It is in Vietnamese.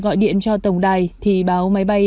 gọi điện cho tổng đài thì báo máy bay